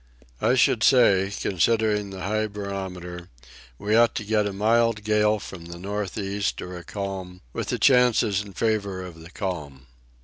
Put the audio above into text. "I should say, considering the high barometer, we ought to get a mild gale from the north east or a calm, with the chances in favour of the calm."